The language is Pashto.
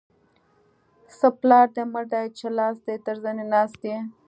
څه پلار دې مړ دی؛ چې لاس تر زنې ناست يې.